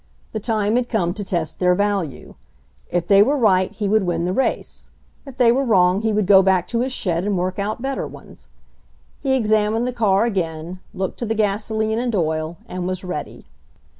The time had come to test their value. If they were right he would win the race; if they were wrong he would go back to his shed and work out better ones. He examined the car again, looked to the gasoline and oil, and was ready.